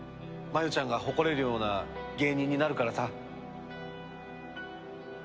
真由ちゃんが誇れるような芸人になるからさ。